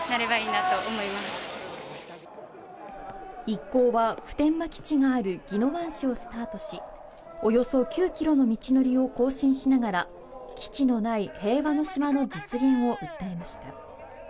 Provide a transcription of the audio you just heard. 一行は普天間基地がある宜野湾市をスタートし、およそ９ｋｍの道のりを行進しながら基地のない平和な島の実現を訴えました。